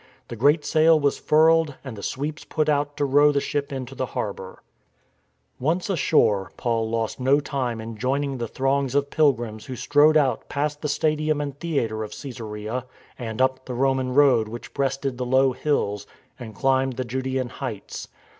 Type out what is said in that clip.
The great sail was furled and the sweeps put out to row the ship into harbour. Once ashore Paul lost no time in joining the throngs of pilgrims who strode out past the stadium and theatre of Csesarea, and up the Roman road which breasted the low hills and climbed the Judsean heights.